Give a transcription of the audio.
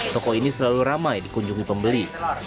toko ini selalu ramai dikunjungi pembeli